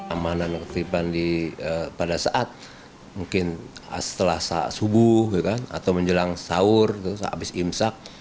amanan ketipan pada saat mungkin setelah subuh atau menjelang sahur abis imsak